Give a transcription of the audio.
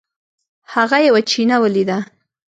هغه یوه چینه ولیده.